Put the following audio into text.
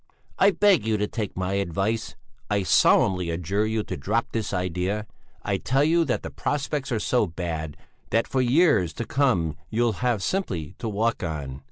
"I beg you to take my advice! I solemnly adjure you to drop this idea. I tell you that the prospects are so bad, that for years to come you'll have simply to walk on.